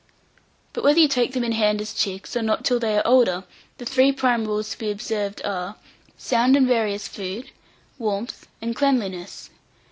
But whether you take them in hand as chicks, or not till they are older, the three prime rules to be observed are, sound and various food, warmth, and cleanliness.